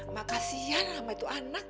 mak kasihan lama itu anak